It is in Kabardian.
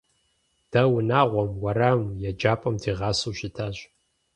Дэ унагъуэм, уэрамым, еджапӏэм дигъасэу щытащ.